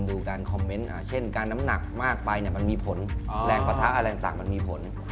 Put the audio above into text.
ดูการการว่างเป็นน้ำหนักมากไปเนี่ยมันมีผลแรงประทะแรกทางมันมีผล